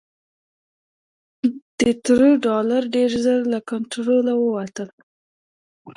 د ترور دا لړۍ ډېر ژر له کنټروله ووتله.